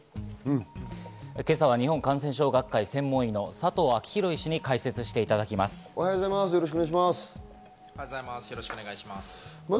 今朝は日本感染症学会専門医の佐藤昭裕医師に解説していただきます。